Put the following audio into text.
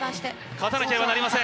勝たなければなりません。